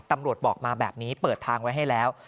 ตำรวจบอกมาแบบนี้เปิดทางไว้ให้แล้ว